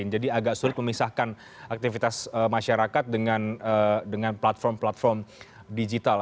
jadi agak sulit memisahkan aktivitas masyarakat dengan platform platform digital